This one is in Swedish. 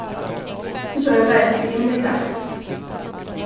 Det börjar verkligen bli dags.